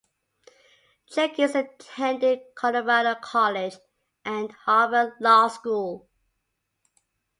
Jenkins attended Colorado College and Harvard Law School.